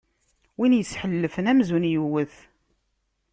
Win isḥellfen, amzun iwwet.